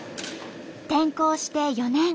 転校して４年。